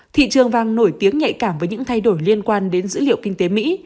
thị trường vàng nổi tiếng nhạy cảm với những thay đổi liên quan đến dữ liệu kinh tế mỹ